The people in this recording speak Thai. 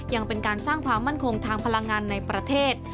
ยังเป็นการสร้างความมั่นคงทางพลังงานในประเทศ